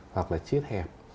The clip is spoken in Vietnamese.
hoặc là chiết hẹp